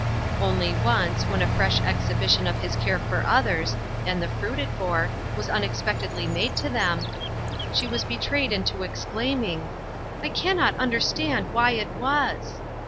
Only once, when a fresh exhibition of his care for others, and the fruit it bore, was unexpectedly made to them, she was be trayed into exclaiming : "I cannot understand why it was!"